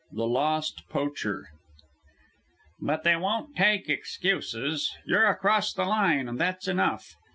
THE LOST POACHER "But they won't take excuses. You're across the line, and that's enough.